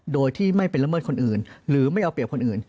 โดยที่ไม่เป็นละเมิดคนอื่นหรือไม่เอาเปรียบคนอื่น